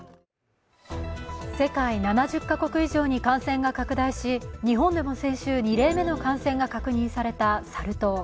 世界７０カ国以上に感染が拡大し、日本でも先週、２例目の感染が確認されたサル痘。